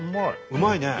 うまいね。